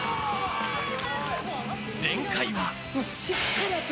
前回は。